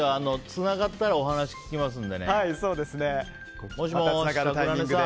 つながったらお話聞きますので。